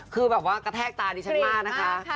คือแบบว่ากระแทกตาดิฉันมากนะคะ